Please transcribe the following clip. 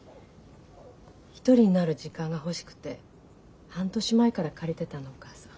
一人になる時間が欲しくて半年前から借りてたのお母さん。